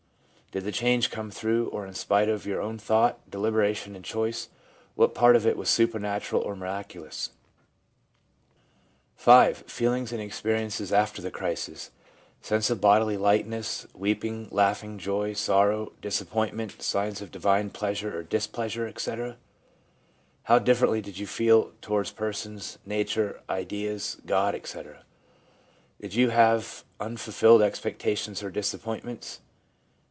' Did the change come through, or in spite of, your own thought, deliberation and choice ? What part of it was supernatural or miraculous ?' V. Feelings and experiences after the crisis :— sense of bodily lightness, weeping, laughing, joy, sorrow, dis appointment, signs of divine pleasure or displeasure, etc.? How differently did you feel towards persons, nature, ideas, God, etc. ? Did you have unfulfilled expectations or disappointments?